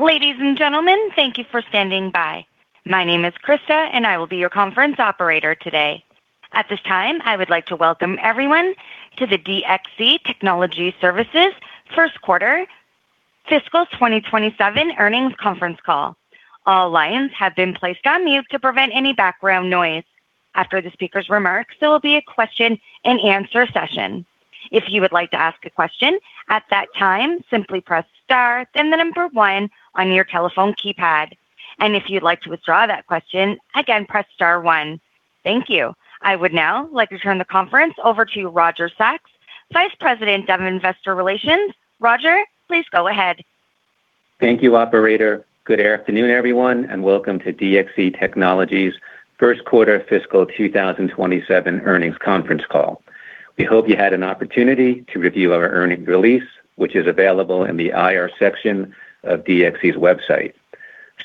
Ladies and gentlemen, thank you for standing by. My name is Krista and I will be your conference operator today. At this time, I would like to welcome everyone to the DXC Technology Services first quarter fiscal 2027 earnings conference call. All lines have been placed on mute to prevent any background noise. After the speaker's remarks, there will be a question-and-answer session. If you would like to ask a question at that time, simply press star then the number one on your telephone keypad. If you'd like to withdraw that question, again, press star one. Thank you. I would now like to turn the conference over to Roger Sachs, Vice President of Investor Relations. Roger, please go ahead. Thank you, operator. Good afternoon everyone, and welcome to DXC Technology's first quarter fiscal 2027 earnings conference call. We hope you had an opportunity to review our earnings release, which is available in the IR section of DXC's website.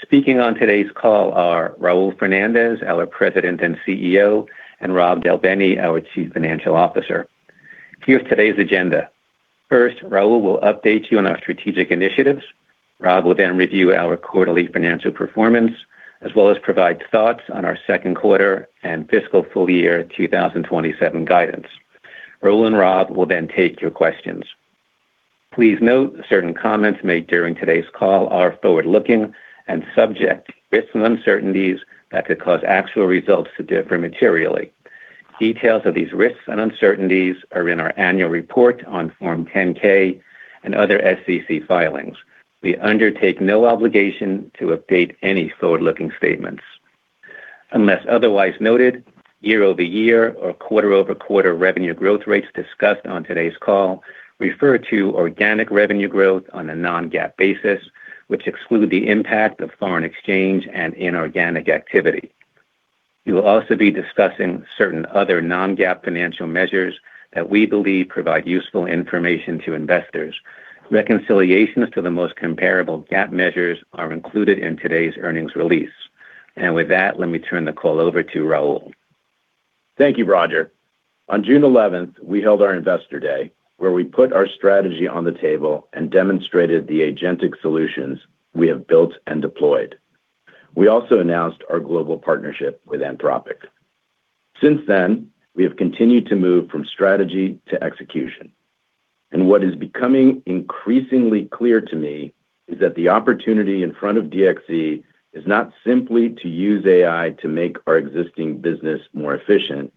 Speaking on today's call are Raul Fernandez, our President and CEO, and Rob Del Bene, our Chief Financial Officer. Here's today's agenda. First, Raul will update you on our strategic initiatives. Rob will then review our quarterly financial performance, as well as provide thoughts on our second quarter and fiscal full year 2027 guidance. Raul and Rob will then take your questions. Please note, certain comments made during today's call are forward-looking and subject to risks and uncertainties that could cause actual results to differ materially. Details of these risks and uncertainties are in our annual report on Form 10-K and other SEC filings. We undertake no obligation to update any forward-looking statements. Unless otherwise noted, year-over-year or quarter-over-quarter revenue growth rates discussed on today's call refer to organic revenue growth on a non-GAAP basis, which exclude the impact of foreign exchange and inorganic activity. We will also be discussing certain other non-GAAP financial measures that we believe provide useful information to investors. Reconciliations to the most comparable GAAP measures are included in today's earnings release. With that, let me turn the call over to Raul. Thank you, Roger. On June 11th, we held our Investor Day, where we put our strategy on the table and demonstrated the agentic solutions we have built and deployed. We also announced our global partnership with Anthropic. Since then, we have continued to move from strategy to execution, and what is becoming increasingly clear to me is that the opportunity in front of DXC is not simply to use AI to make our existing business more efficient.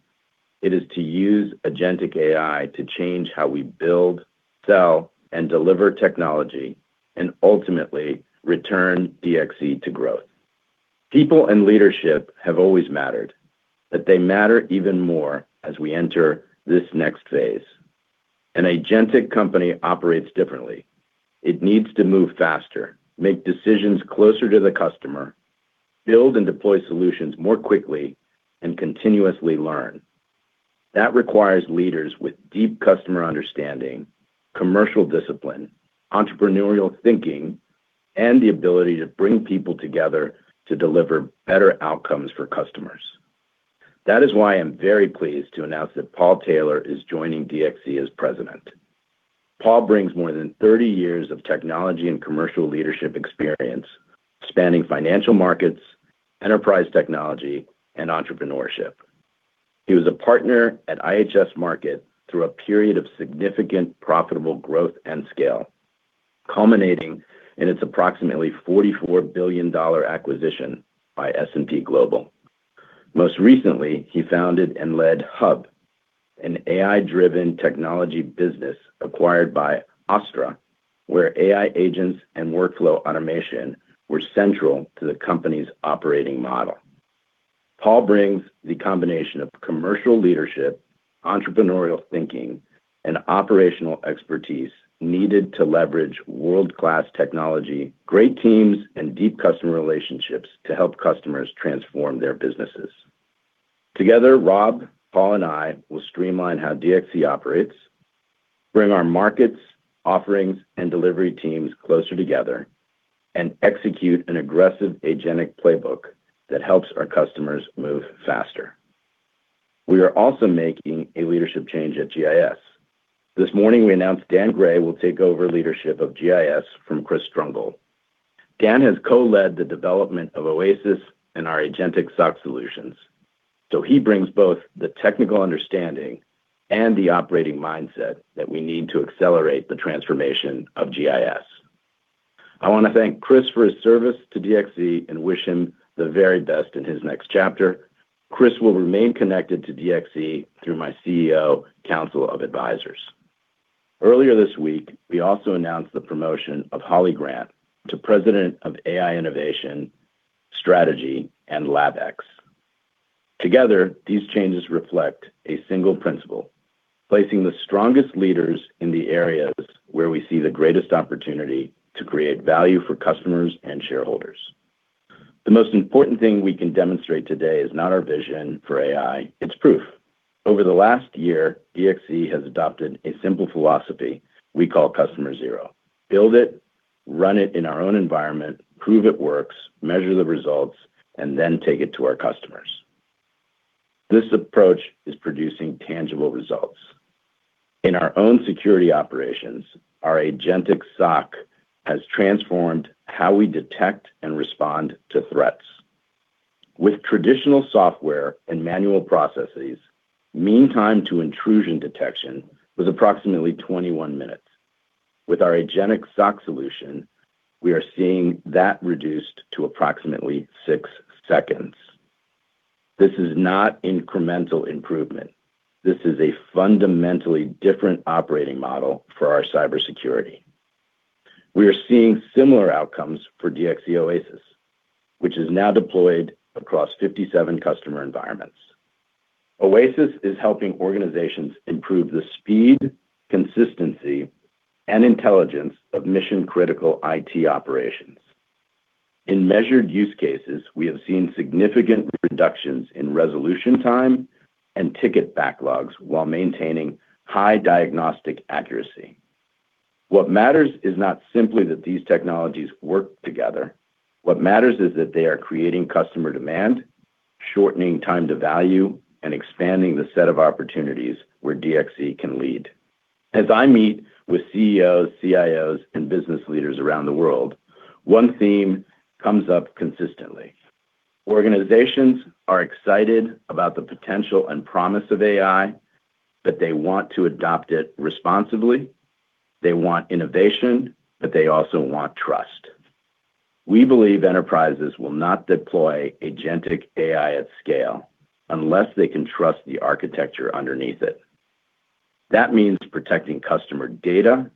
It is to use agentic AI to change how we build, sell, and deliver technology, and ultimately return DXC to growth. People and leadership have always mattered, but they matter even more as we enter this next phase. An agentic company operates differently. It needs to move faster, make decisions closer to the customer, build and deploy solutions more quickly, and continuously learn. That requires leaders with deep customer understanding, commercial discipline, entrepreneurial thinking, and the ability to bring people together to deliver better outcomes for customers. That is why I am very pleased to announce that Paul Taylor is joining DXC as President. Paul brings more than 30 years of technology and commercial leadership experience spanning financial markets, enterprise technology, and entrepreneurship. He was a partner at IHS Markit through a period of significant profitable growth and scale, culminating in its approximately $44 billion acquisition by S&P Global. Most recently, he founded and led HUB, an AI-driven technology business acquired by OSTTRA, where AI agents and workflow automation were central to the company's operating model. Paul brings the combination of commercial leadership, entrepreneurial thinking, and operational expertise needed to leverage world-class technology, great teams, and deep customer relationships to help customers transform their businesses. Together, Rob, Paul, and I will streamline how DXC operates, bring our markets, offerings, and delivery teams closer together, and execute an aggressive Agentic playbook that helps our customers move faster. We are also making a leadership change at GIS. This morning, we announced Dan Gray will take over leadership of GIS from Chris Drumgoole. Dan has co-led the development of OASIS and our Agentic SOC solutions. He brings both the technical understanding and the operating mindset that we need to accelerate the transformation of GIS. I want to thank Chris for his service to DXC and wish him the very best in his next chapter. Chris will remain connected to DXC through my CEO Council of Advisors. Earlier this week, we also announced the promotion of Holly Grant to President of AI Innovation, Strategy & LabX. Together, these changes reflect a single principle, placing the strongest leaders in the areas where we see the greatest opportunity to create value for customers and shareholders. The most important thing we can demonstrate today is not our vision for AI, it is proof. Over the last year, DXC has adopted a simple philosophy we call Customer Zero. Build it, run it in our own environment, prove it works, measure the results, and then take it to our customers. This approach is producing tangible results. In our own security operations, our Agentic SOC has transformed how we detect and respond to threats. With traditional software and manual processes, mean time to intrusion detection was approximately 21 minutes. With our Agentic SOC solution, we are seeing that reduced to approximately six seconds. This is not incremental improvement. This is a fundamentally different operating model for our cybersecurity. We are seeing similar outcomes for DXC OASIS, which is now deployed across 57 customer environments. OASIS is helping organizations improve the speed, consistency, and intelligence of mission-critical IT operations. In measured use cases, we have seen significant reductions in resolution time and ticket backlogs while maintaining high diagnostic accuracy. What matters is not simply that these technologies work together. What matters is that they are creating customer demand, shortening time to value, and expanding the set of opportunities where DXC can lead. As I meet with CEOs, CIOs, and business leaders around the world, one theme comes up consistently. Organizations are excited about the potential and promise of AI, but they want to adopt it responsibly. They want innovation, but they also want trust. We believe enterprises will not deploy agentic AI at scale unless they can trust the architecture underneath it. That means protecting customer data,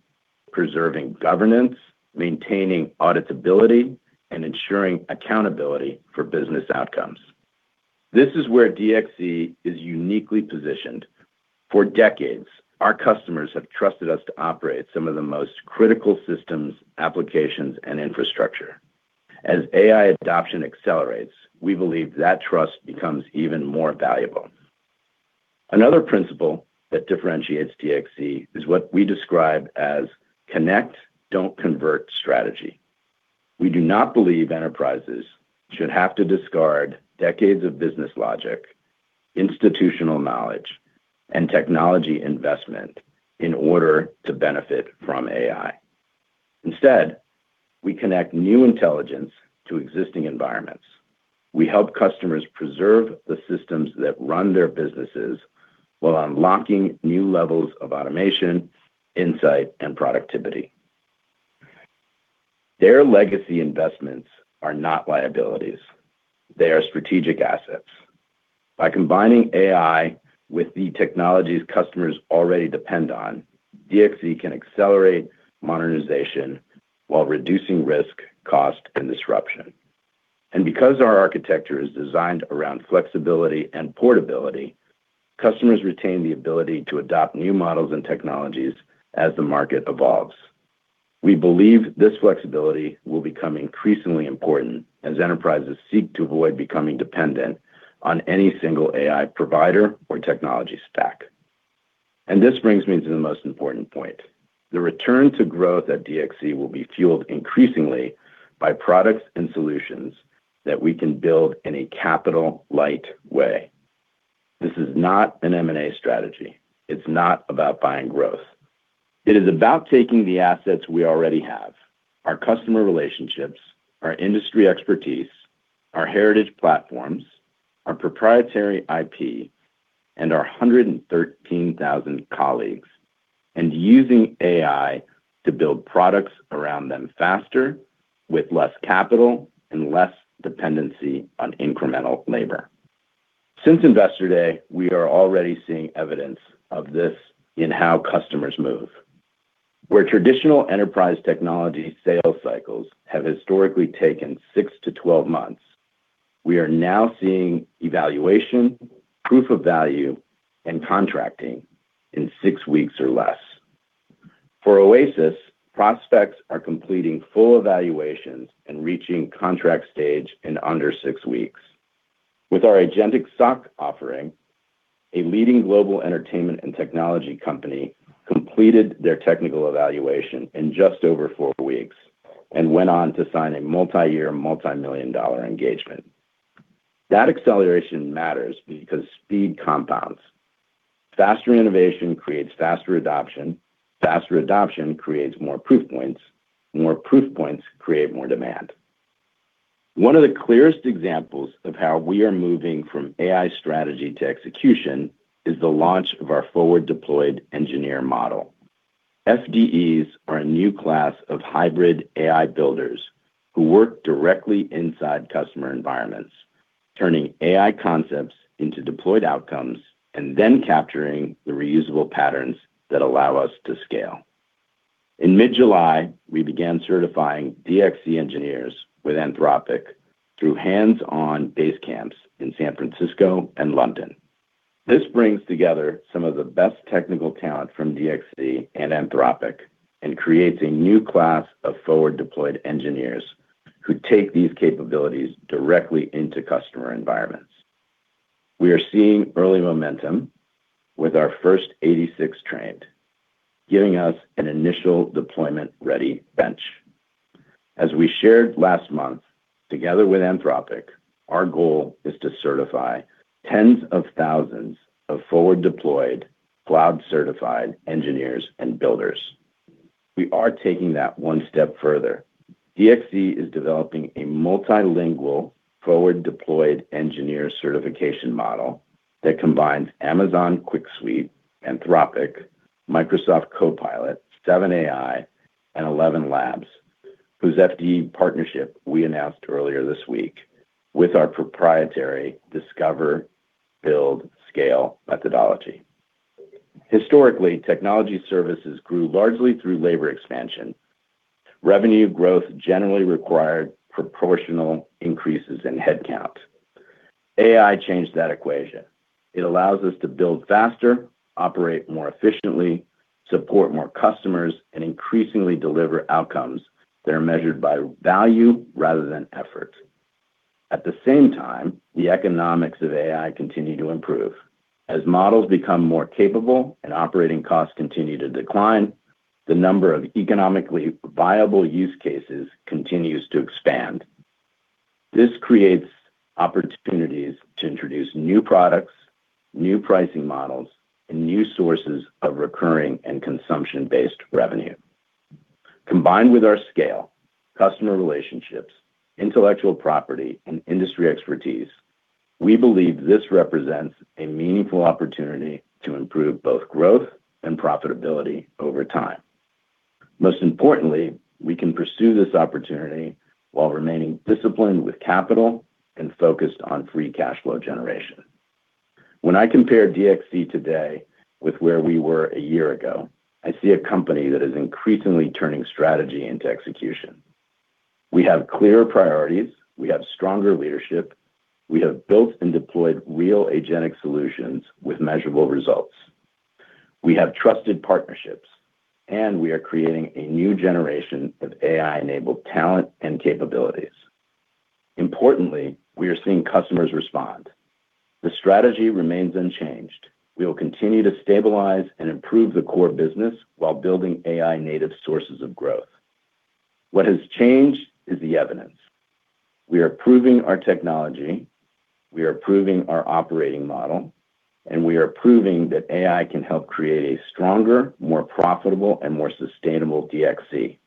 preserving governance, maintaining auditability, and ensuring accountability for business outcomes. This is where DXC is uniquely positioned. For decades, our customers have trusted us to operate some of the most critical systems, applications, and infrastructure. As AI adoption accelerates, we believe that trust becomes even more valuable. Another principle that differentiates DXC is what we describe as "connect, don't convert" strategy. We do not believe enterprises should have to discard decades of business logic, institutional knowledge, and technology investment in order to benefit from AI. Instead, we connect new intelligence to existing environments. We help customers preserve the systems that run their businesses while unlocking new levels of automation, insight, and productivity. Their legacy investments are not liabilities. They are strategic assets. By combining AI with the technologies customers already depend on, DXC can accelerate modernization while reducing risk, cost, and disruption. Because our architecture is designed around flexibility and portability, customers retain the ability to adopt new models and technologies as the market evolves. We believe this flexibility will become increasingly important as enterprises seek to avoid becoming dependent on any single AI provider or technology stack. This brings me to the most important point. The return to growth at DXC will be fueled increasingly by products and solutions that we can build in a capital-light way. This is not an M&A strategy. It's not about buying growth. It is about taking the assets we already have, our customer relationships, our industry expertise, our heritage platforms, our proprietary IP, and our 113,000 colleagues, and using AI to build products around them faster, with less capital, and less dependency on incremental labor. Since Investor Day, we are already seeing evidence of this in how customers move. Where traditional enterprise technology sales cycles have historically taken 6-12 months, we are now seeing evaluation, proof of value, and contracting in six weeks or less. For DXC OASIS, prospects are completing full evaluations and reaching contract stage in under six weeks. With our Agentic SOC offering, a leading global entertainment and technology company completed their technical evaluation in just over four weeks and went on to sign a multi-year, multi-million dollar engagement. That acceleration matters because speed compounds. Faster innovation creates faster adoption. Faster adoption creates more proof points. More proof points create more demand. One of the clearest examples of how we are moving from AI strategy to execution is the launch of our forward-deployed engineer model. FDEs are a new class of hybrid AI builders who work directly inside customer environments, turning AI concepts into deployed outcomes, and then capturing the reusable patterns that allow us to scale. In mid-July, we began certifying DXC engineers with Anthropic through hands-on base camps in San Francisco and London. This brings together some of the best technical talent from DXC and Anthropic and creates a new class of forward-deployed engineers who take these capabilities directly into customer environments. We are seeing early momentum with our first 86 trained, giving us an initial deployment-ready bench. As we shared last month together with Anthropic, our goal is to certify tens of thousands of forward-deployed cloud certified engineers and builders. We are taking that one step further. DXC is developing a multilingual forward-deployed engineer certification model that combines Amazon QuickSight, Anthropic, Microsoft Copilot, 7AI, and ElevenLabs, whose FD partnership we announced earlier this week with our proprietary discover, build, scale methodology. Historically, technology services grew largely through labor expansion. Revenue growth generally required proportional increases in headcount. AI changed that equation. It allows us to build faster, operate more efficiently, support more customers, and increasingly deliver outcomes that are measured by value rather than effort. At the same time, the economics of AI continue to improve. As models become more capable and operating costs continue to decline, the number of economically viable use cases continues to expand. This creates opportunities to introduce new products, new pricing models, and new sources of recurring and consumption-based revenue. Combined with our scale, customer relationships, intellectual property, and industry expertise, we believe this represents a meaningful opportunity to improve both growth and profitability over time. Most importantly, we can pursue this opportunity while remaining disciplined with capital and focused on free cash flow generation. When I compare DXC today with where we were a year ago, I see a company that is increasingly turning strategy into execution. We have clearer priorities. We have stronger leadership. We have built and deployed real agentic solutions with measurable results. We have trusted partnerships, and we are creating a new generation of AI-enabled talent and capabilities. Importantly, we are seeing customers respond. The strategy remains unchanged. We will continue to stabilize and improve the core business while building AI-native sources of growth. What has changed is the evidence. We are proving our technology, we are proving our operating model, and we are proving that AI can help create a stronger, more profitable, and more sustainable DXC.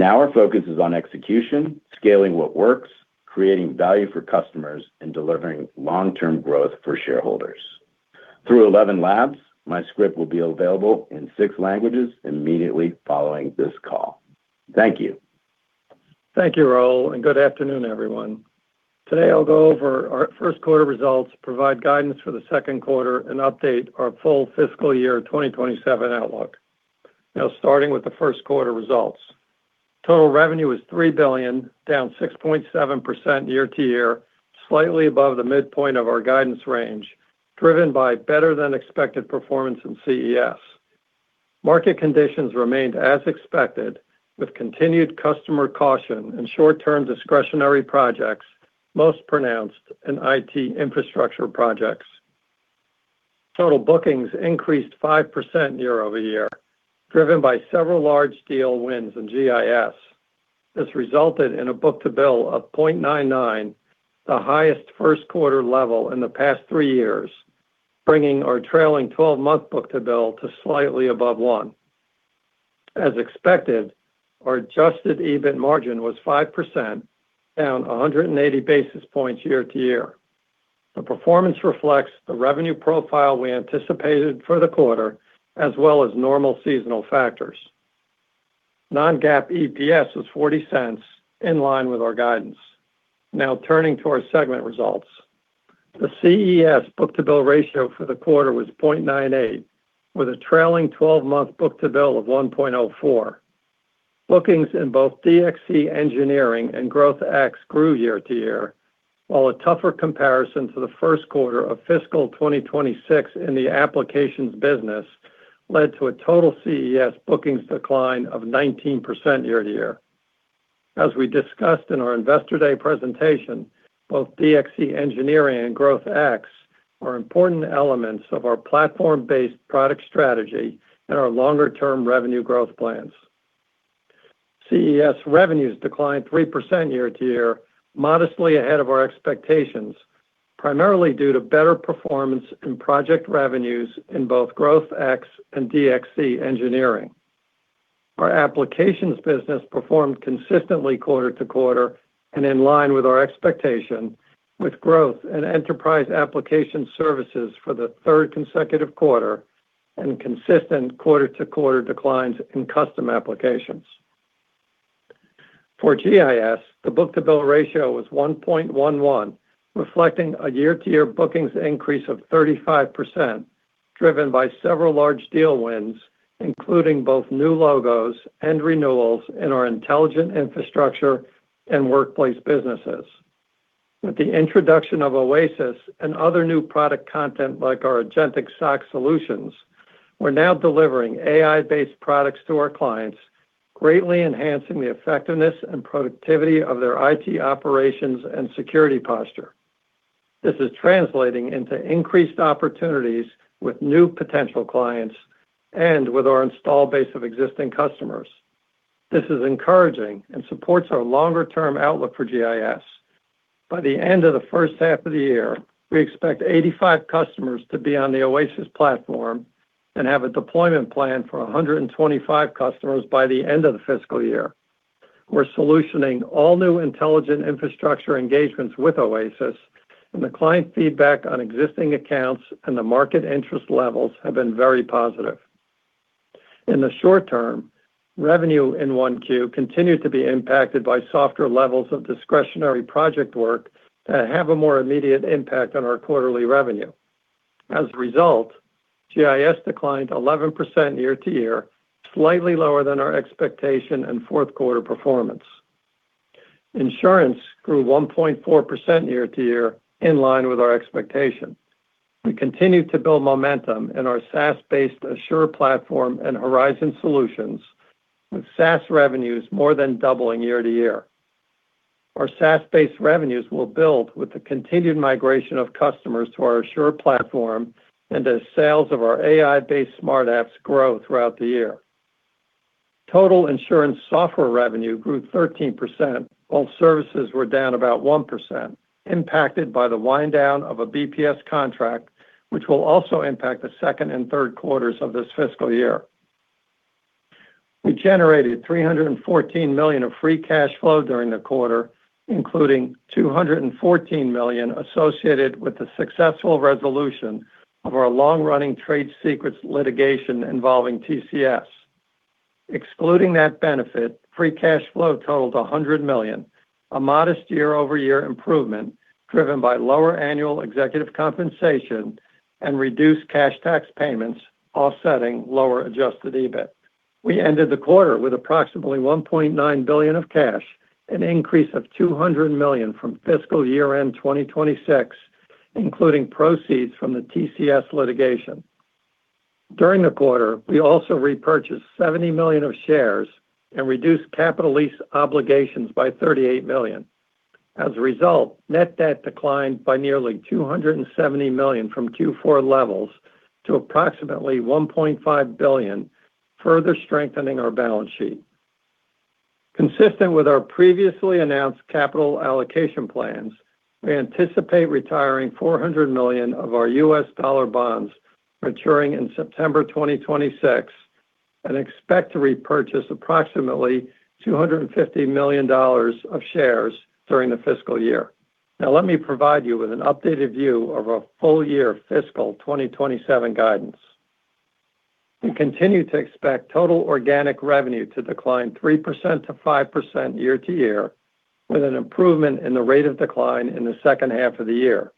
Our focus is on execution, scaling what works, creating value for customers, and delivering long-term growth for shareholders. Through ElevenLabs, my script will be available in six languages immediately following this call. Thank you. Thank you, Raul, and good afternoon, everyone. Today I'll go over our first quarter results, provide guidance for the second quarter, and update our full fiscal year 2027 outlook. Starting with the first quarter results. Total revenue was $3 billion, down 6.7% year-over-year, slightly above the midpoint of our guidance range, driven by better than expected performance in CES. Market conditions remained as expected, with continued customer caution and short-term discretionary projects most pronounced in IT infrastructure projects. Total bookings increased 5% year-over-year, driven by several large deal wins in GIS. This resulted in a book-to-bill of 0.99, the highest first quarter level in the past three years, bringing our trailing 12-month book-to-bill to slightly above one. As expected, our adjusted EBIT margin was 5%, down 180 basis points year-over-year. The performance reflects the revenue profile we anticipated for the quarter, as well as normal seasonal factors. Non-GAAP EPS was $0.40, in line with our guidance. Turning to our segment results. The CES book-to-bill ratio for the quarter was 0.98, with a trailing 12-month book-to-bill of 1.04. Bookings in both DXC Engineering and GrowthX grew year-to-year, while a tougher comparison to the first quarter of fiscal 2026 in the applications business led to a total CES bookings decline of 19% year-to-year. As we discussed in our Investor Day presentation, both DXC Engineering and GrowthX are important elements of our platform-based product strategy and our longer-term revenue growth plans. CES revenues declined 3% year-to-year, modestly ahead of our expectations, primarily due to better performance in project revenues in both GrowthX and DXC Engineering. Our applications business performed consistently quarter-to-quarter and in line with our expectation with growth in enterprise application services for the third consecutive quarter and consistent quarter-to-quarter declines in custom applications. For GIS, the book-to-bill ratio was 1.11, reflecting a year-to-year bookings increase of 35%, driven by several large deal wins, including both new logos and renewals in our Intelligent Infrastructure and workplace businesses. With the introduction of OASIS and other new product content like our Agentic SOC solutions, we're now delivering AI-based products to our clients, greatly enhancing the effectiveness and productivity of their IT operations and security posture. This is translating into increased opportunities with new potential clients and with our install base of existing customers. This is encouraging and supports our longer-term outlook for GIS. By the end of the first half of the year, we expect 85 customers to be on the DXC OASIS platform and have a deployment plan for 125 customers by the end of the fiscal year. We're solutioning all new Intelligent Infrastructure engagements with OASIS, and the client feedback on existing accounts and the market interest levels have been very positive. In the short term, revenue in Q1 continued to be impacted by softer levels of discretionary project work that have a more immediate impact on our quarterly revenue. As a result, GIS declined 11% year-to-year, slightly lower than our expectation and fourth quarter performance. Insurance grew 1.4% year-to-year, in line with our expectations. We continue to build momentum in our SaaS-based Assure platform and Horizon solutions, with SaaS revenues more than doubling year-to-year. Our SaaS-based revenues will build with the continued migration of customers to our Assure platform and as sales of our AI-based Smart Apps grow throughout the year. Total insurance software revenue grew 13%, while services were down about 1%, impacted by the wind-down of a BPS contract, which will also impact the second and third quarters of this fiscal year. We generated $314 million of free cash flow during the quarter, including $214 million associated with the successful resolution of our long-running trade secrets litigation involving TCS. Excluding that benefit, free cash flow totaled $100 million, a modest year-over-year improvement driven by lower annual executive compensation and reduced cash tax payments offsetting lower adjusted EBIT. We ended the quarter with approximately $1.9 billion of cash, an increase of $200 million from fiscal year-end 2026, including proceeds from the TCS litigation. During the quarter, we also repurchased $70 million of shares and reduced capital lease obligations by $38 million. As a result, net debt declined by nearly $270 million from Q4 levels to approximately $1.5 billion, further strengthening our balance sheet. Consistent with our previously announced capital allocation plans, we anticipate retiring $400 million of our US dollar bonds maturing in September 2026 and expect to repurchase approximately $250 million of shares during the fiscal year. Let me provide you with an updated view of our full year fiscal 2027 guidance. We continue to expect total organic revenue to decline 3%-5% year-to-year, with an improvement in the rate of decline in the second half of the year.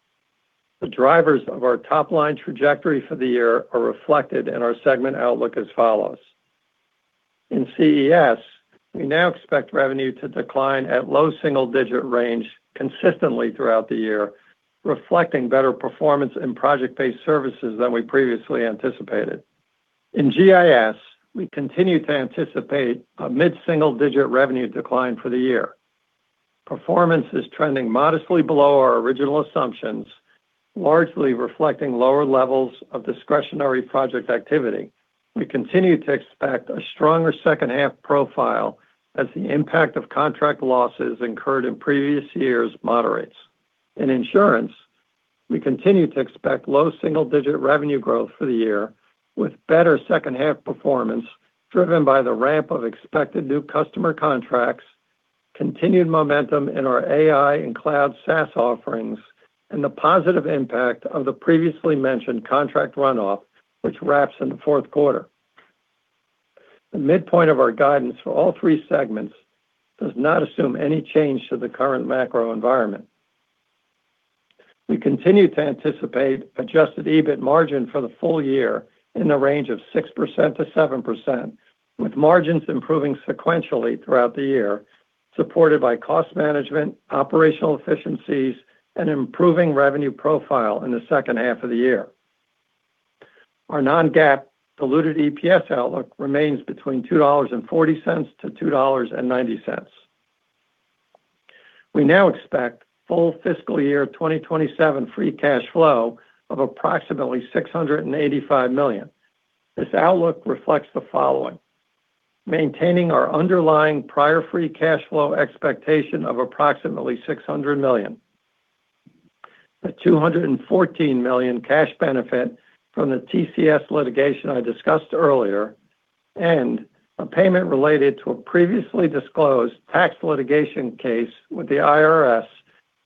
The drivers of our top-line trajectory for the year are reflected in our segment outlook as follows. In CES, we now expect revenue to decline at low single-digit range consistently throughout the year, reflecting better performance in project-based services than we previously anticipated. In GIS, we continue to anticipate a mid-single-digit revenue decline for the year. Performance is trending modestly below our original assumptions, largely reflecting lower levels of discretionary project activity. We continue to expect a stronger second-half profile as the impact of contract losses incurred in previous years moderates. In insurance, we continue to expect low single-digit revenue growth for the year, with better second-half performance driven by the ramp of expected new customer contracts, continued momentum in our AI and cloud SaaS offerings, and the positive impact of the previously mentioned contract runoff, which wraps in the fourth quarter. The midpoint of our guidance for all three segments does not assume any change to the current macro environment. We continue to anticipate adjusted EBIT margin for the full year in the range of 6%-7%, with margins improving sequentially throughout the year, supported by cost management, operational efficiencies, and improving revenue profile in the second half of the year. Our non-GAAP diluted EPS outlook remains between $2.40-$2.90. We now expect full fiscal year 2027 free cash flow of approximately $685 million. This outlook reflects the following: Maintaining our underlying prior free cash flow expectation of approximately $600 million, a $214 million cash benefit from the TCS litigation I discussed earlier, and a payment related to a previously disclosed tax litigation case with the IRS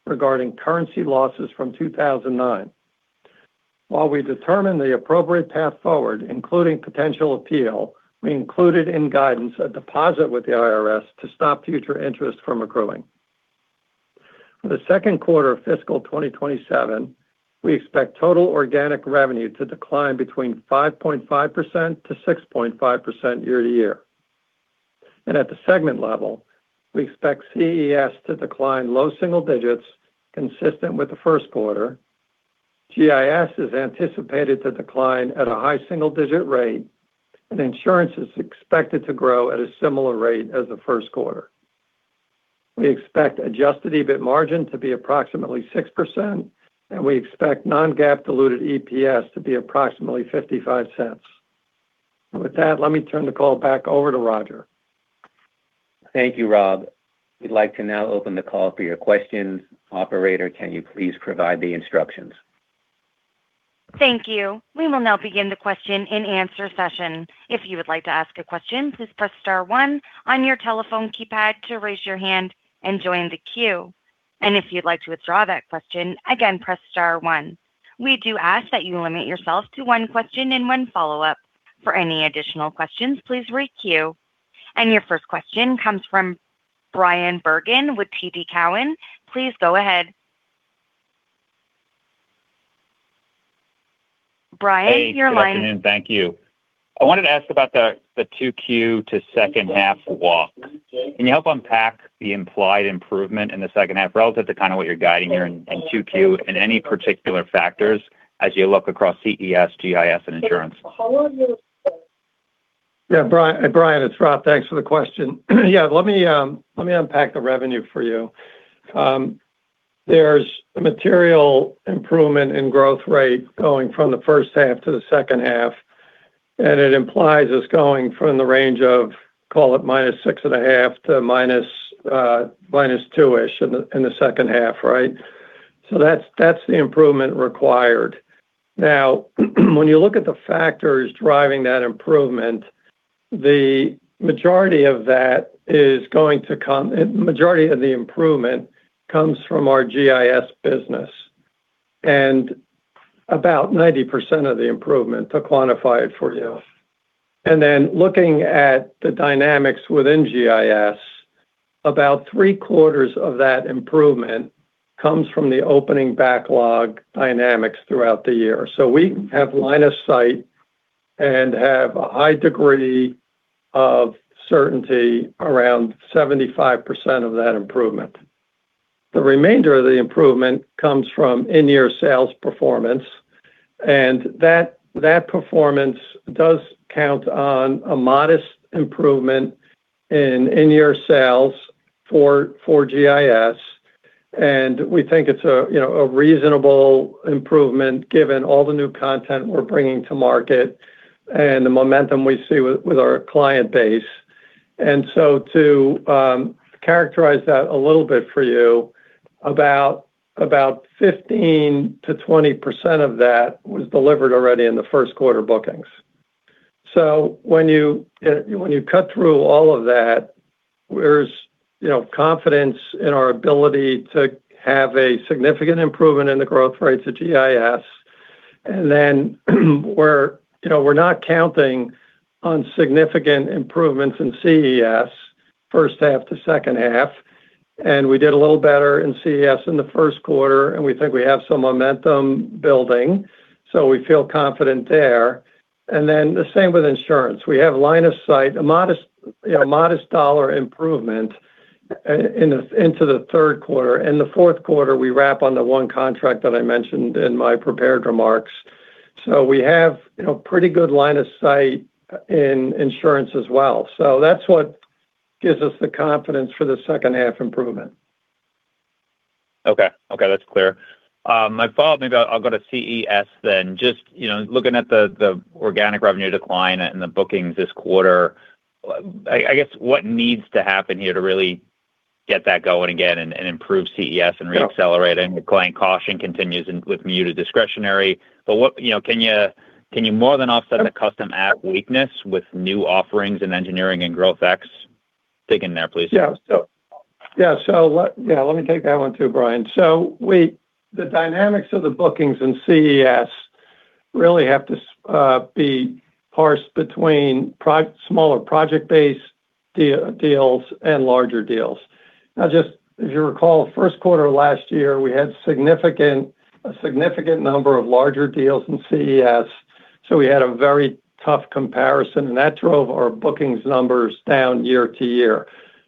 regarding currency losses from 2009. While we determine the appropriate path forward, including potential appeal, we included in guidance a deposit with the IRS to stop future interest from accruing. For the second quarter of fiscal 2027, we expect total organic revenue to decline between 5.5%-6.5% year-to-year. At the segment level, we expect CES to decline low single digits consistent with the first quarter. GIS is anticipated to decline at a high single-digit rate, and insurance is expected to grow at a similar rate as the first quarter. We expect adjusted EBIT margin to be approximately 6%, and we expect non-GAAP diluted EPS to be approximately $0.55. With that, let me turn the call back over to Roger. Thank you, Rob. We'd like to now open the call for your questions. Operator, can you please provide the instructions? Thank you. We will now begin the question and answer session. If you would like to ask a question, please press star one on your telephone keypad to raise your hand and join the queue. If you'd like to withdraw that question, again, press star one. We do ask that you limit yourself to one question and one follow-up. For any additional questions, please re-queue. Your first question comes from Bryan Bergin with TD Cowen. Please go ahead. Bryan, you're on line. Hey. Good afternoon. Thank you. I wanted to ask about the 2Q to second half walk. Can you help unpack the implied improvement in the second half relative to what you're guiding here in 2Q and any particular factors as you look across CES, GIS, and insurance? Bryan, it's Rob. Thanks for the question. Let me unpack the revenue for you. There's a material improvement in growth rate going from the first half to the second half, it implies it's going from the range of, call it, -6.5% to -2% in the second half, right? That's the improvement required. When you look at the factors driving that improvement, the majority of the improvement comes from our GIS business about 90% of the improvement to quantify it for you. Looking at the dynamics within GIS, about three-quarters of that improvement comes from the opening backlog dynamics throughout the year. We have line of sight and have a high degree of certainty around 75% of that improvement. The remainder of the improvement comes from in-year sales performance. That performance does count on a modest improvement in in-year sales for GIS. We think it's a reasonable improvement given all the new content we're bringing to market and the momentum we see with our client base. To characterize that a little bit for you, about 15%-20% of that was delivered already in the first quarter bookings. When you cut through all of that, there's confidence in our ability to have a significant improvement in the growth rates of GIS. We're not counting on significant improvements in CES first half to second half. We did a little better in CES in the first quarter, and we think we have some momentum building, so we feel confident there. The same with insurance. We have line of sight, a modest dollar improvement into the third quarter. In the fourth quarter, we wrap on the one contract that I mentioned in my prepared remarks. We have a pretty good line of sight in insurance as well. That's what gives us the confidence for the second half improvement. Okay. That's clear. My follow-up, maybe I'll go to CES then. Just looking at the organic revenue decline and the bookings this quarter, I guess what needs to happen here to really get that going again and improve CES and re-accelerate? The client caution continues with muted discretionary. Can you more than offset the custom app weakness with new offerings in engineering and GrowthX? Dig in there, please. Let me take that one too, Bryan. The dynamics of the bookings in CES really have to be parsed between smaller project-based deals and larger deals. If you recall the first quarter of last year, we had a significant number of larger deals in CES. We had a very tough comparison, and that drove our bookings numbers down year-to-year.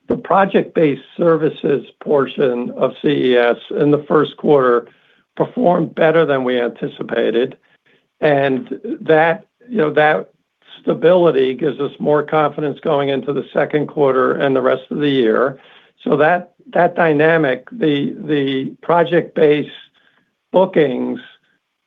The project-based services portion of CES in the first quarter performed better than we anticipated. That stability gives us more confidence going into the second quarter and the rest of the year. That dynamic, the project-based bookings,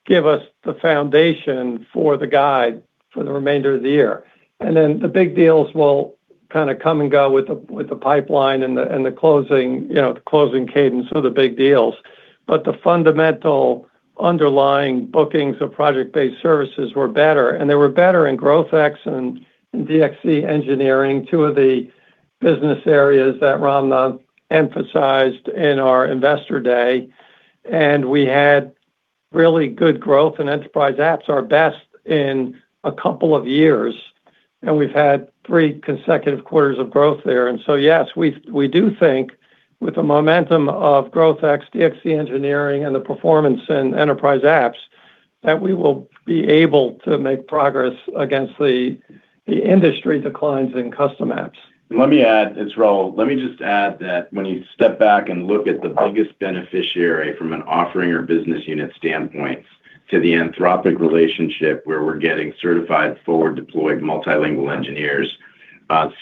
give us the foundation for the guide for the remainder of the year. The big deals will kind of come and go with the pipeline and the closing cadence of the big deals. The fundamental underlying bookings of project-based services were better, and they were better in GrowthX and in DXC Engineering, two of the business areas that Raul has emphasized in our Investor Day. We had really good growth in Enterprise Apps, our best in a couple of years, and we've had three consecutive quarters of growth there. Yes, we do think with the momentum of GrowthX, DXC Engineering, and the performance in Enterprise Apps that we will be able to make progress against the industry declines in custom apps. Let me add, it's Raul. Let me just add that when you step back and look at the biggest beneficiary from an offering or business unit standpoint to the Anthropic relationship where we're getting certified, forward-deployed, multilingual engineers,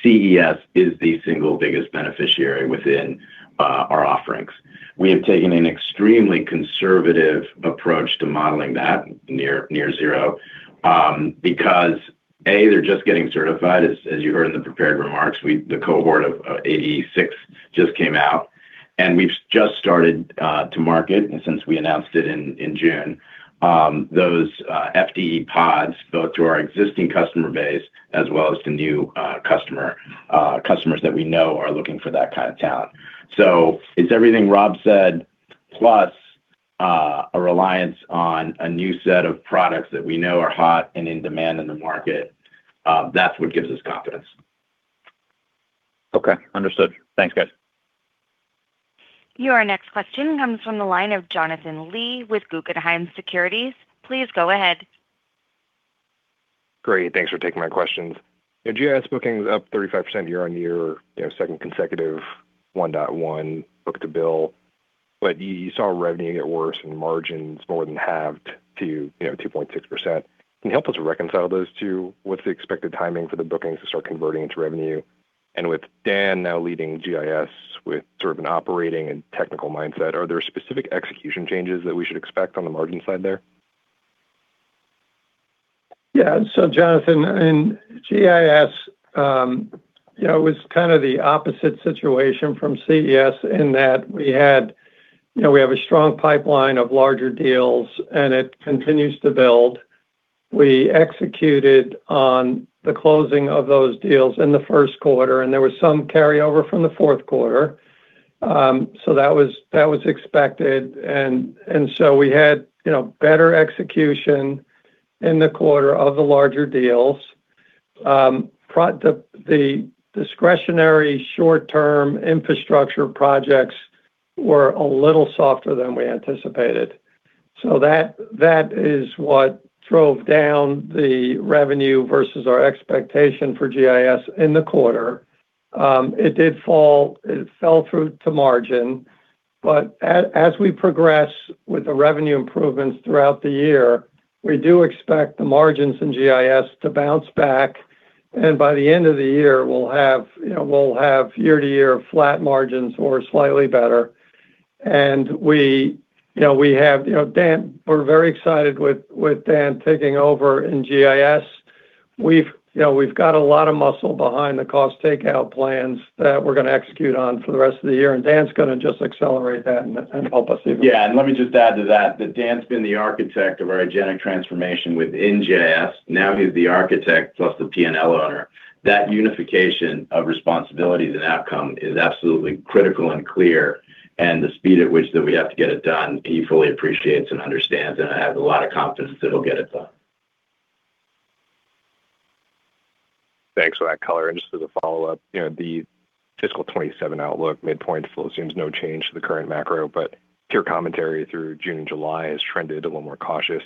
CES is the single biggest beneficiary within our offerings. We have taken an extremely conservative approach to modeling that near zero. Because, A, they're just getting certified, as you heard in the prepared remarks, the cohort of 86 just came out, and we've just started to market, and since we announced it in June, those FDE pods, both to our existing customer base as well as to new customers that we know are looking for that kind of talent. It's everything Rob said, plus a reliance on a new set of products that we know are hot and in demand in the market. That's what gives us confidence. Okay. Understood. Thanks, guys. Your next question comes from the line of Jonathan Lee with Guggenheim Securities. Please go ahead. Great, thanks for taking my questions. GIS booking is up 35% year-over-year, second consecutive 1.1 book-to-bill. You saw revenue get worse and margins more than halved to 2.6%. Can you help us reconcile those two? What's the expected timing for the bookings to start converting into revenue? With Dan now leading GIS with sort of an operating and technical mindset, are there specific execution changes that we should expect on the margin side there? Yeah. Jonathan, in GIS, it was kind of the opposite situation from CES in that we have a strong pipeline of larger deals, and it continues to build. We executed on the closing of those deals in the first quarter, and there was some carryover from the fourth quarter. That was expected, we had better execution in the quarter of the larger deals. The discretionary short-term infrastructure projects were a little softer than we anticipated. That is what drove down the revenue versus our expectation for GIS in the quarter. It did fall. It fell through to margin. As we progress with the revenue improvements throughout the year, we do expect the margins in GIS to bounce back, and by the end of the year, we'll have year-over-year flat margins or slightly better. We're very excited with Dan taking over in GIS. We've got a lot of muscle behind the cost takeout plans that we're going to execute on for the rest of the year, and Dan's going to just accelerate that. Yeah. Let me just add to that Dan's been the architect of our agentic transformation within GIS. Now he's the architect plus the P&L owner. That unification of responsibilities and outcome is absolutely critical and clear, and the speed at which that we have to get it done, he fully appreciates and understands, and I have a lot of confidence that he'll get it done. Thanks for that color. Just as a follow-up, the fiscal 2027 outlook midpoint flow seems no change to the current macro, but your commentary through June and July has trended a little more cautious.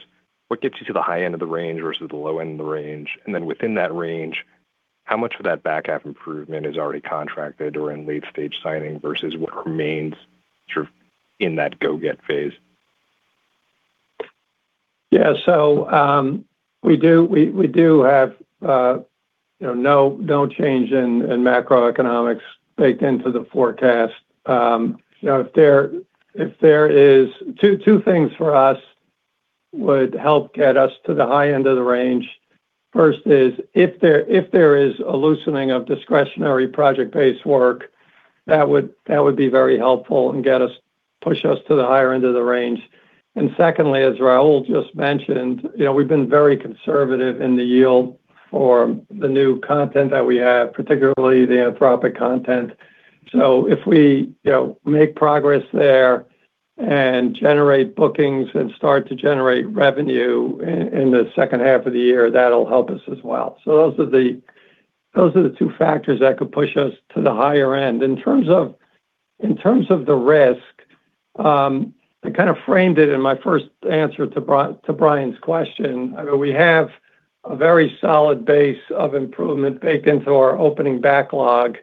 What gets you to the high end of the range versus the low end of the range? Within that range, how much of that back half improvement is already contracted or in late-stage signing versus what remains in that go get phase? Yeah. We do have no change in macroeconomics baked into the forecast. Two things for us would help get us to the high end of the range. First is, if there is a loosening of discretionary project-based work, that would be very helpful and push us to the higher end of the range. Secondly, as Raul just mentioned, we've been very conservative in the yield for the new content that we have, particularly the Anthropic content. If we make progress there and generate bookings and start to generate revenue in the second half of the year, that will help us as well. Those are the two factors that could push us to the higher end. In terms of the risk, I kind of framed it in my first answer to Bryan's question. We have a very solid base of improvement baked into our opening backlog,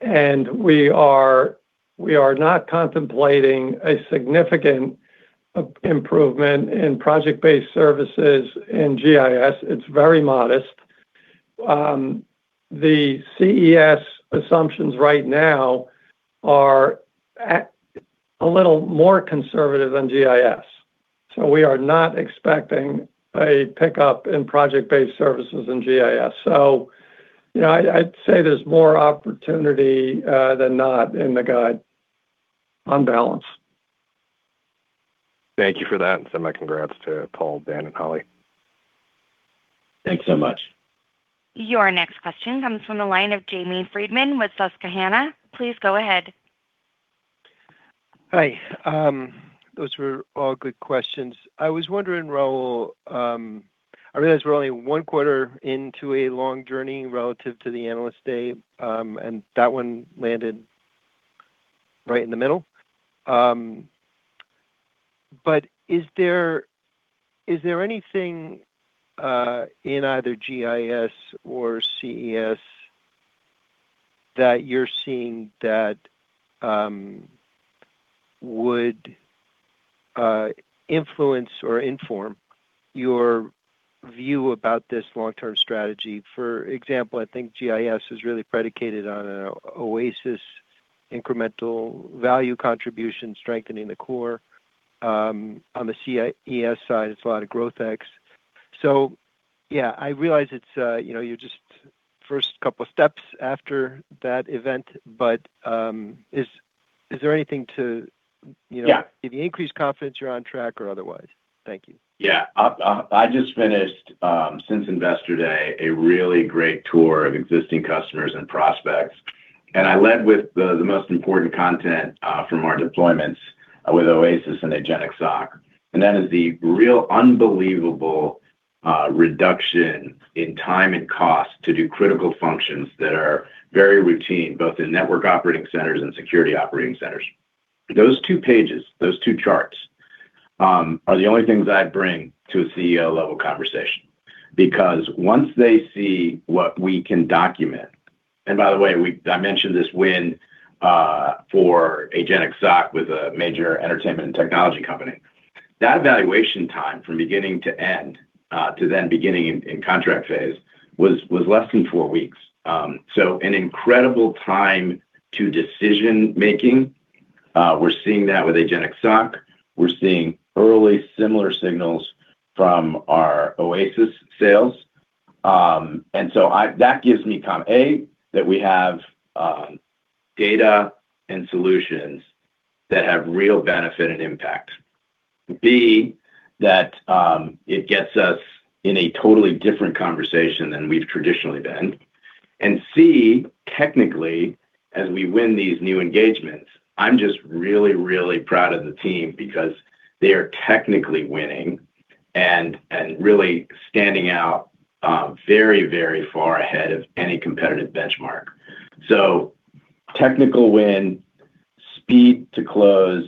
and we are not contemplating a significant improvement in project-based services in GIS. It's very modest. The CES assumptions right now are a little more conservative than GIS. We are not expecting a pickup in project-based services in GIS. I would say there's more opportunity than not in the guide on balance. Thank you for that, and send my congrats to Paul, Dan, and Holly. Thanks so much. Your next question comes from the line of Jamie Friedman with Susquehanna. Please go ahead. Hi. Those were all good questions. I was wondering, Raul, I realize we're only one quarter into a long journey relative to the Investor Day, and that one landed right in the middle. Is there anything in either GIS or CES that you're seeing that would influence or inform your view about this long-term strategy? For example, I think GIS is really predicated on an Oasis incremental value contribution strengthening the core. On the CES side, it's a lot of GrowthX. Yeah, I realize you're just first couple steps after that event, but is there anything to either increased confidence you're on track or otherwise? Thank you. I just finished, since Investor Day, a really great tour of existing customers and prospects, and I led with the most important content from our deployments with OASIS and Agentic SOC. That is the real unbelievable reduction in time and cost to do critical functions that are very routine, both in network operating centers and security operating centers. Those two pages, those two charts, are the only things I bring to a CEO-level conversation. Once they see what we can document, and by the way, I mentioned this win for Agentic SOC with a major entertainment and technology company. That evaluation time from beginning to end, to then beginning in contract phase, was less than four weeks. An incredible time to decision-making. We're seeing that with Agentic SOC. We're seeing early similar signals from our OASIS sales. That gives me, A, that we have data and solutions that have real benefit and impact. B, that it gets us in a totally different conversation than we've traditionally been. C, technically, as we win these new engagements, I'm just really, really proud of the team because they are technically winning and really standing out very, very far ahead of any competitive benchmark. Technical win, speed to close,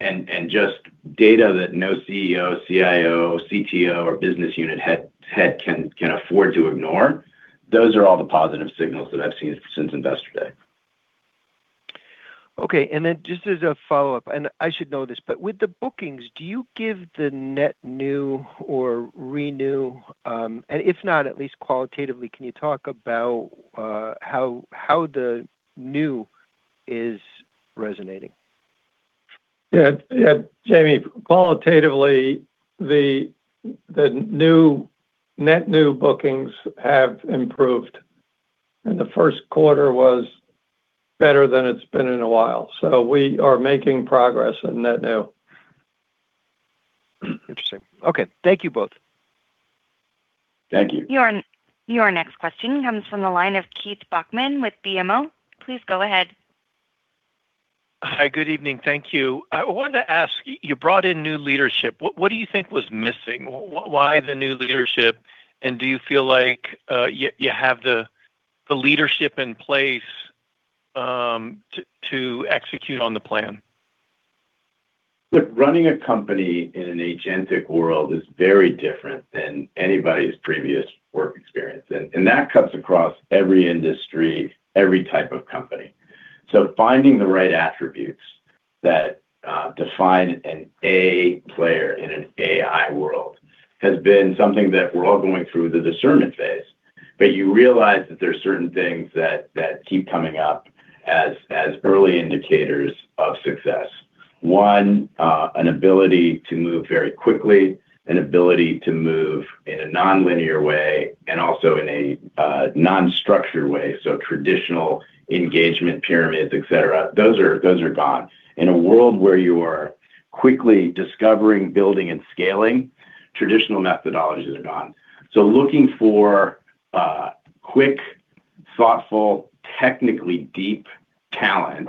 and just data that no CEO, CIO, CTO, or business unit head can afford to ignore. Those are all the positive signals that I've seen since Investor Day. Just as a follow-up, and I should know this, but with the bookings, do you give the net new or renew, and if not, at least qualitatively, can you talk about how the new is resonating? Jamie, qualitatively, the net new bookings have improved. The first quarter was better than it's been in a while. We are making progress in net new. Interesting. Okay. Thank you both. Thank you. Your next question comes from the line of Keith Bachman with BMO. Please go ahead. Hi. Good evening. Thank you. I wanted to ask, you brought in new leadership. What do you think was missing? Why the new leadership? Do you feel like you have the leadership in place to execute on the plan? Running a company in an agentic world is very different than anybody's previous work experience. That cuts across every industry, every type of company. Finding the right attributes that define an A player in an AI world has been something that we're all going through the discernment phase. You realize that there are certain things that keep coming up as early indicators of success. One, an ability to move very quickly, an ability to move in a nonlinear way and also in a non-structured way. Traditional engagement pyramids, et cetera, those are gone. In a world where you are quickly discovering, building, and scaling, traditional methodologies are gone. Looking for quick, thoughtful, technically deep talent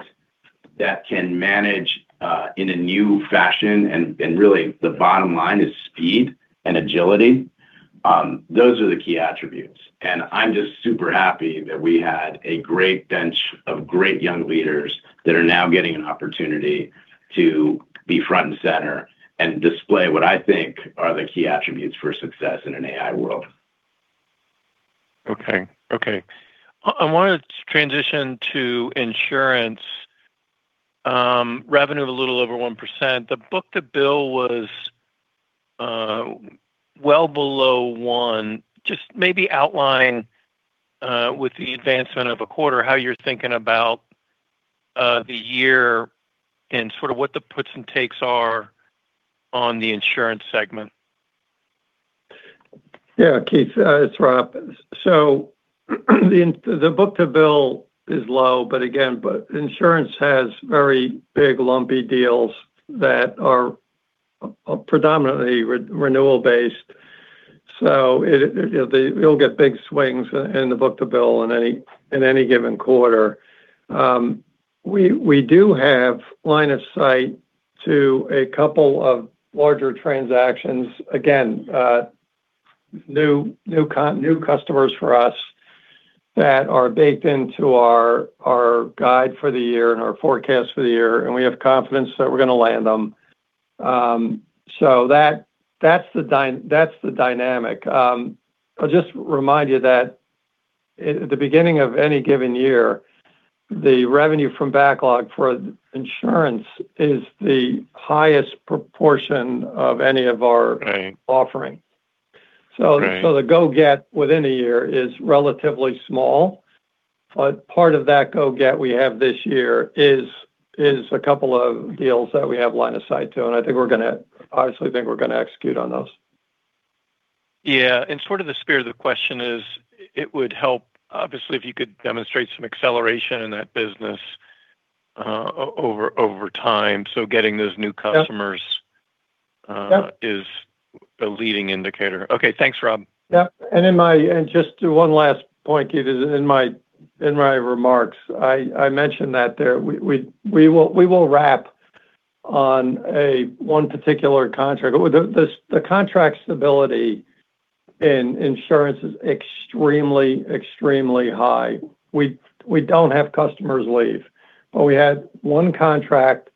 that can manage in a new fashion, and really the bottom line is speed and agility. Those are the key attributes. I'm just super happy that we had a great bench of great young leaders that are now getting an opportunity to be front and center and display what I think are the key attributes for success in an AI world. Okay. I want to transition to insurance. Revenue of a little over 1%. The book-to-bill was well below one. Just maybe outline, with the advancement of a quarter, how you're thinking about the year and sort of what the puts and takes are on the insurance segment. Yeah, Keith, it's Rob. The book-to-bill is low, but again, insurance has very big, lumpy deals that are predominantly renewal-based. You'll get big swings in the book-to-bill in any given quarter. We do have line of sight to a couple of larger transactions. New customers for us that are baked into our guide for the year and our forecast for the year, and we have confidence that we're going to land them. That's the dynamic. I'll just remind you that at the beginning of any given year, the revenue from backlog for insurance is the highest proportion of any of our offering. Right. The go-get within a year is relatively small. Part of that go-get we have this year is a couple of deals that we have line of sight to, and I obviously think we're going to execute on those. Yeah. Sort of the spirit of the question is, it would help, obviously, if you could demonstrate some acceleration in that business over time, getting those new customers is a leading indicator. Okay, thanks, Rob. Yep. Just one last point, Keith, in my remarks, I mentioned that there. We will wrap on one particular contract. The contract stability in insurance is extremely high. We don't have customers leave. We had one contract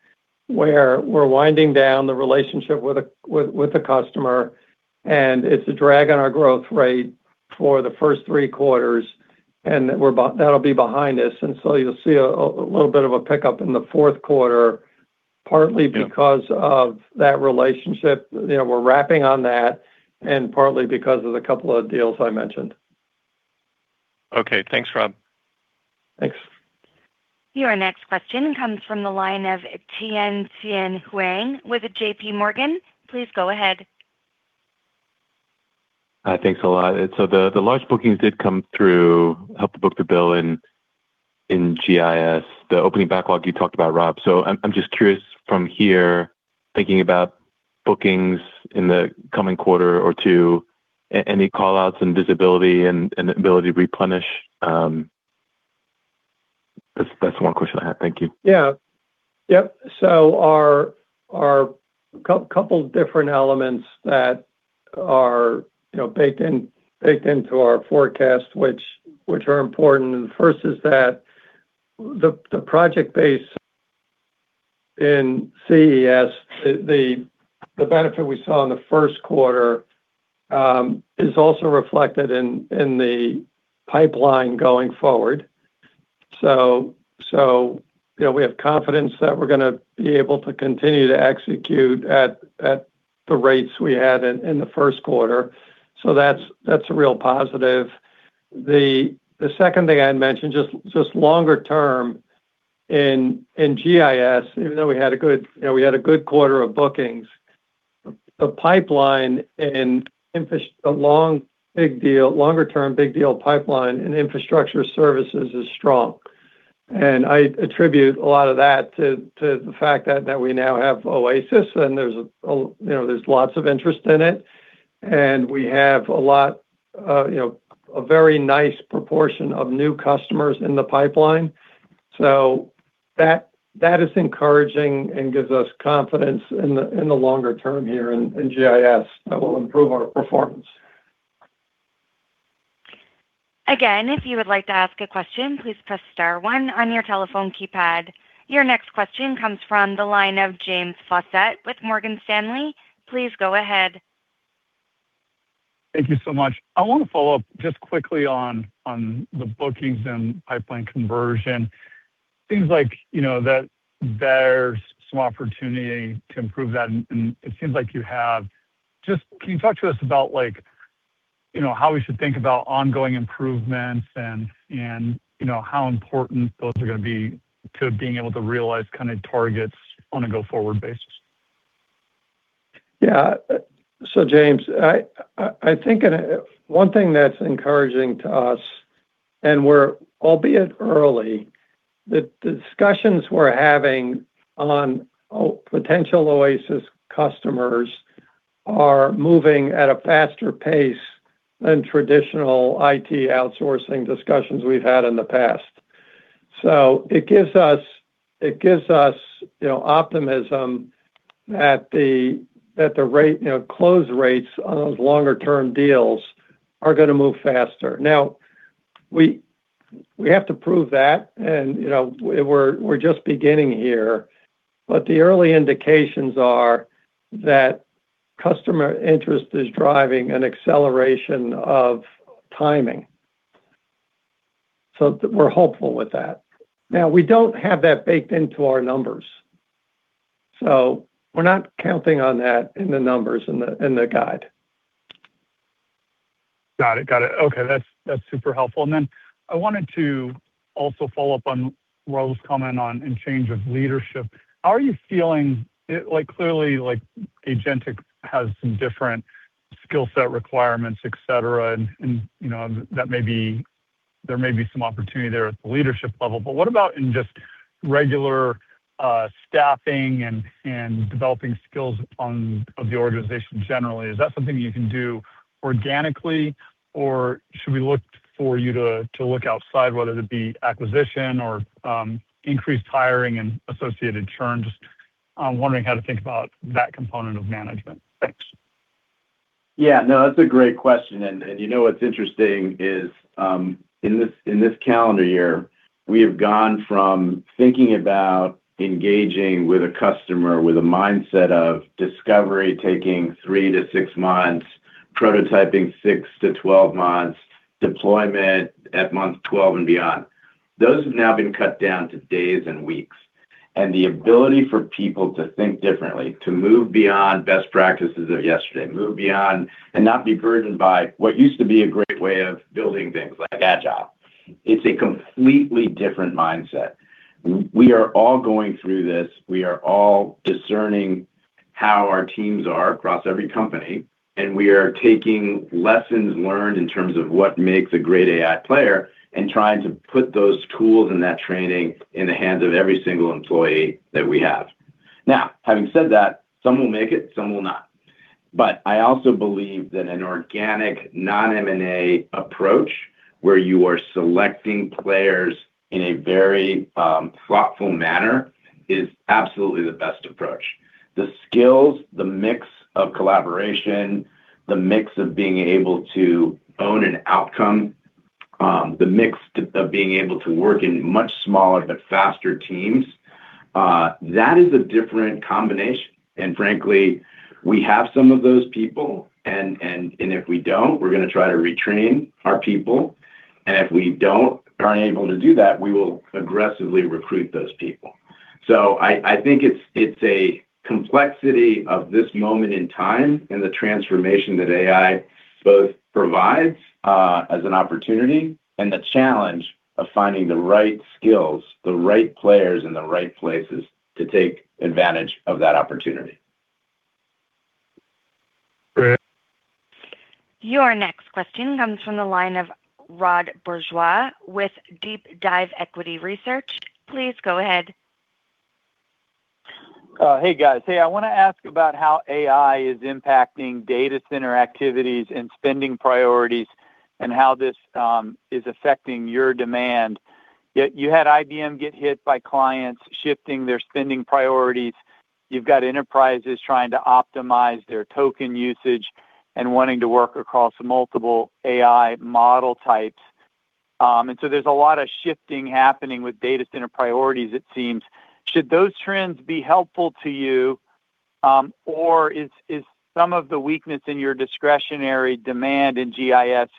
where we're winding down the relationship with a customer, and it's a drag on our growth rate for the first three quarters, and that'll be behind us. You'll see a little bit of a pickup in the fourth quarter, partly because of that relationship, we're wrapping on that, and partly because of the couple of deals I mentioned. Okay. Thanks, Rob. Thanks. Your next question comes from the line of Tien-Tsin Huang with JPMorgan. Please go ahead. Thanks a lot. The large bookings did come through help to book-to-bill in GIS, the opening backlog you talked about, Rob. I'm just curious from here, thinking about bookings in the coming quarter or two, any call-outs in visibility and ability to replenish? That's one question I have. Thank you. Yeah. Yep. Our couple different elements that are baked into our forecast, which are important. The first is that the project base in CES, the benefit we saw in the first quarter is also reflected in the pipeline going forward. We have confidence that we're going to be able to continue to execute at the rates we had in the first quarter. That's a real positive. The second thing I'd mention, just longer term in GIS, even though we had a good quarter of bookings, the longer-term big deal pipeline in infrastructure services is strong. I attribute a lot of that to the fact that we now have OASIS and there's lots of interest in it. We have a very nice proportion of new customers in the pipeline. That is encouraging and gives us confidence in the longer term here in GIS that will improve our performance. Again, if you would like to ask a question, please press star one on your telephone keypad. Your next question comes from the line of James Faucette with Morgan Stanley. Please go ahead. Thank you so much. I want to follow up just quickly on the bookings and pipeline conversion. Things like there's some opportunity to improve that. Can you talk to us about how we should think about ongoing improvements and how important those are going to be to being able to realize targets on a go-forward basis? Yeah. James, I think one thing that's encouraging to us, and we're albeit early, the discussions we're having on potential OASIS customers are moving at a faster pace than traditional IT outsourcing discussions we've had in the past. It gives us optimism that the close rates on those longer-term deals are going to move faster. Now, we have to prove that, and we're just beginning here, but the early indications are that customer interest is driving an acceleration of timing. We're hopeful with that. Now, we don't have that baked into our numbers, we're not counting on that in the numbers in the guide. Got it. Okay, that's super helpful. I wanted to also follow up on Raul's comment on change of leadership. How are you feeling? Clearly, Agentic has some different skill set requirements, et cetera, and there may be some opportunity there at the leadership level. What about in just regular staffing and developing skills of the organization generally? Is that something you can do organically, or should we look for you to look outside, whether it be acquisition or increased hiring and associated churn, I'm wondering how to think about that component of management. Thanks. Yeah, no, that's a great question. What's interesting is, in this calendar year, we have gone from thinking about engaging with a customer with a mindset of discovery taking three to six months, prototyping 6-12 months, deployment at month 12 and beyond. Those have now been cut down to days and weeks, the ability for people to think differently, to move beyond best practices of yesterday, and not be burdened by what used to be a great way of building things like agile. It's a completely different mindset. We are all going through this. We are all discerning how our teams are across every company, we are taking lessons learned in terms of what makes a great AI player and trying to put those tools and that training in the hands of every single employee that we have. Having said that, some will make it, some will not. I also believe that an organic non-M&A approach, where you are selecting players in a very thoughtful manner is absolutely the best approach. The skills, the mix of collaboration, the mix of being able to own an outcome, the mix of being able to work in much smaller but faster teams, that is a different combination. Frankly, we have some of those people, and if we don't, we're going to try to retrain our people. If we aren't able to do that, we will aggressively recruit those people. I think it's a complexity of this moment in time and the transformation that AI both provides as an opportunity and the challenge of finding the right skills, the right players, and the right places to take advantage of that opportunity. Great. Your next question comes from the line of Rod Bourgeois with DeepDive Equity Research. Please go ahead. Hey, guys. I want to ask about how AI is impacting data center activities and spending priorities, and how this is affecting your demand. You had IBM get hit by clients shifting their spending priorities. You've got enterprises trying to optimize their token usage and wanting to work across multiple AI model types. There's a lot of shifting happening with data center priorities, it seems. Should those trends be helpful to you, or is some of the weakness in your discretionary demand in GIS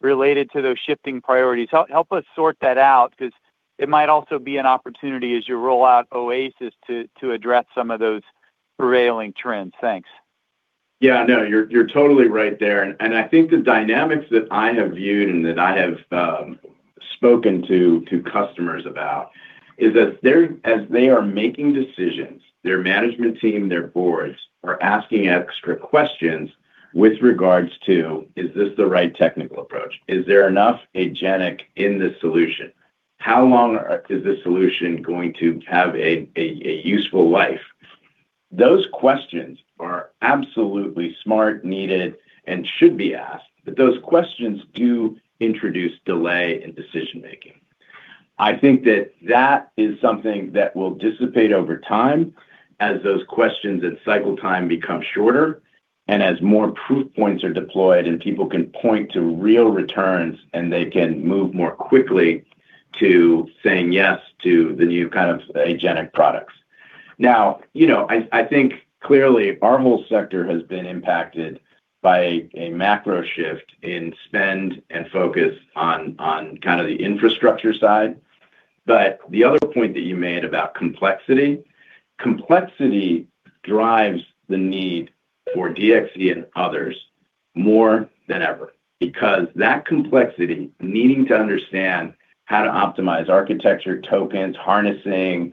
related to those shifting priorities? Help us sort that out, because it might also be an opportunity as you roll out OASIS to address some of those prevailing trends. Thanks. Yeah. No, you're totally right there. I think the dynamics that I have viewed and that I have spoken to customers about is that as they are making decisions, their management team, their boards are asking extra questions with regards to, "Is this the right technical approach? Is there enough agentic in this solution? How long is this solution going to have a useful life?" Those questions are absolutely smart, needed, and should be asked. Those questions do introduce delay in decision-making. I think that is something that will dissipate over time as those questions and cycle time become shorter, and as more proof points are deployed and people can point to real returns, and they can move more quickly to saying yes to the new kind of agentic products. I think clearly our whole sector has been impacted by a macro shift in spend and focus on kind of the infrastructure side. The other point that you made about complexity, complexity drives the need for DXC and others more than ever. That complexity, needing to understand how to optimize architecture, tokens, harnessing,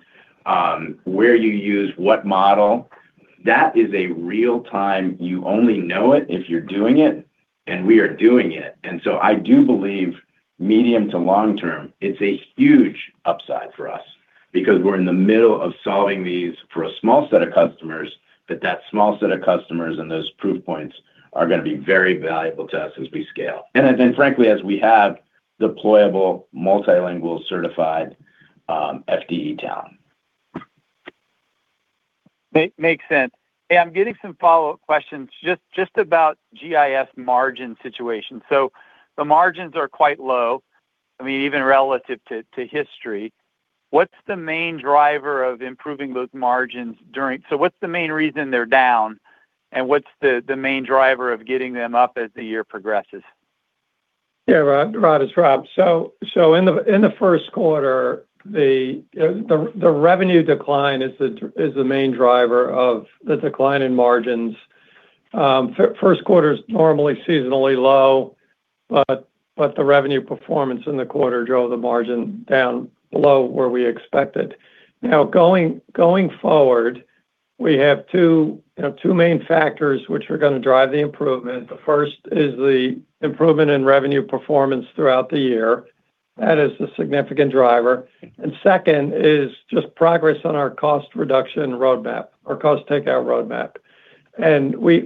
where you use what model, that is a real time, you only know it if you're doing it, and we are doing it. I do believe medium to long term, it's a huge upside for us, because we're in the middle of solving these for a small set of customers, but that small set of customers and those proof points are going to be very valuable to us as we scale. Frankly, as we have deployable multilingual certified FDE talent. Makes sense. Hey, I'm getting some follow-up questions just about GIS margin situation. The margins are quite low, even relative to history. What's the main driver of improving those margins? What's the main reason they're down, and what's the main driver of getting them up as the year progresses? Yeah, Rod. It's Rob. In the first quarter, the revenue decline is the main driver of the decline in margins. First quarter's normally seasonally low, the revenue performance in the quarter drove the margin down below where we expected. Going forward, we have two main factors which are going to drive the improvement. The first is the improvement in revenue performance throughout the year. That is a significant driver. Second is just progress on our cost reduction roadmap or cost takeout roadmap.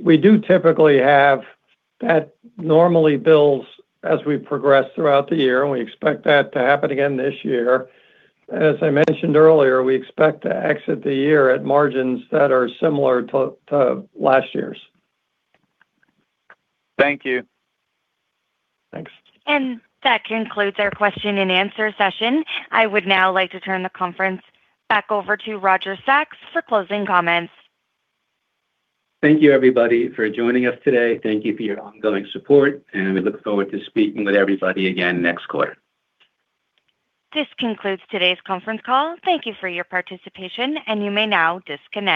We do typically have that normally builds as we progress throughout the year, and we expect that to happen again this year. As I mentioned earlier, we expect to exit the year at margins that are similar to last year's. Thank you. Thanks. That concludes our question and answer session. I would now like to turn the conference back over to Roger Sachs for closing comments. Thank you everybody for joining us today. Thank you for your ongoing support, and we look forward to speaking with everybody again next quarter. This concludes today's conference call. Thank you for your participation, and you may now disconnect.